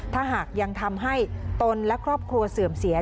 ถ้าหากยังทำให้ตนและครอบครัวเสื่อมเสีย